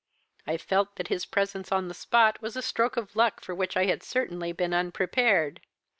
I felt that his presence on the spot was a stroke of luck for which I had certainly been unprepared.